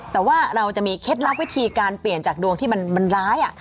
แต่ว่าเราจะมีเคล็ดลับวิธีการเปลี่ยนจากดวงที่มันร้าย